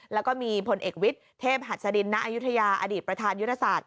แล้วก็มีผลเอกวิทย์เทพหัสดินณอายุทยาอดีตประธานยุทธศาสต